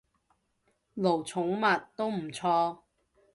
奴寵物，都唔錯